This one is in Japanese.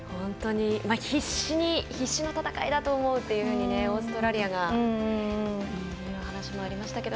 必死の戦いだと思うっていうふうにオーストラリアがという話もありましたが。